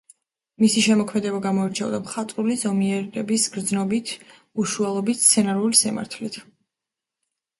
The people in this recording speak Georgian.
მისი შემოქმედება გამოირჩეოდა მხატვრული ზომიერების გრძნობით, უშუალობით, სცენური სიმართლით.